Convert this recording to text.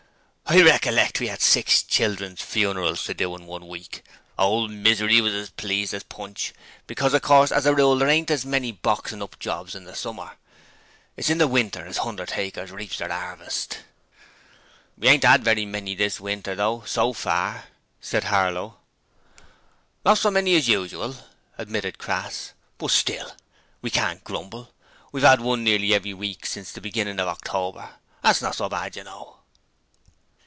'I recollect we 'ad six children's funerals to do in one week. Ole Misery was as pleased as Punch, because of course as a rule there ain't many boxin' up jobs in the summer. It's in winter as hundertakers reaps their 'arvest.' 'We ain't 'ad very many this winter, though, so far,' said Harlow. 'Not so many as usual,' admitted Crass, 'but still, we can't grumble: we've 'ad one nearly every week since the beginning of October. That's not so bad, you know.'